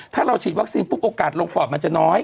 ถ้าเราฉีดวัคซีนปุ๊บโอกาสลงปอดมันจะน้อย